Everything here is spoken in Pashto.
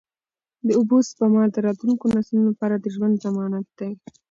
د اوبو سپما د راتلونکو نسلونو لپاره د ژوند ضمانت دی.